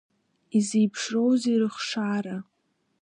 Изеиԥшроузеи рыхшара?